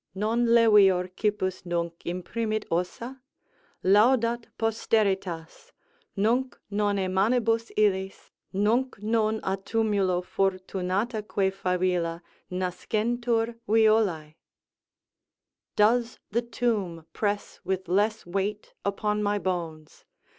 "Non levior cippus nunc imprimit ossa? Laudat posteritas! Nunc non e manibus illis, Nunc non a tumulo fortunataque favilla, Nascentur violae?" ["Does the tomb press with less weight upon my bones?